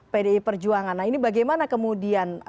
pdi perjuangan nah ini bagaimana kemudian